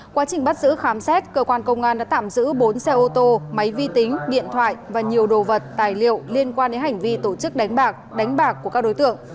quá trình bắt giữ khám xét cơ quan công an đã tạm giữ bốn xe ô tô máy vi tính điện thoại và nhiều đồ vật tài liệu liên quan đến hành vi tổ chức đánh bạc đánh bạc của các đối tượng